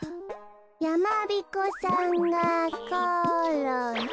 やまびこさんがころんだ！